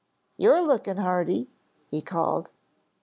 "You're looking hearty," he called.